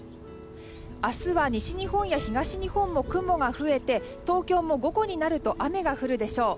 明日は、西日本や東日本も雲が増えて東京も午後になると雨が降るでしょう。